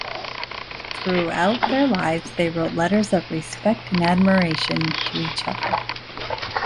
Throughout their lives, they wrote letters of respect and admiration to each other.